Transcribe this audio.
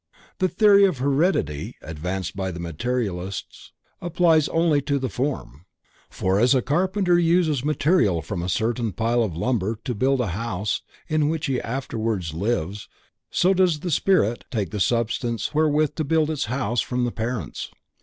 The theory of Heredity advanced by Materialists applies only to the form, for as a carpenter uses material from a certain pile of lumber to build a house in which he afterwards lives, so does the spirit take the substance wherewith to build its house from the parents.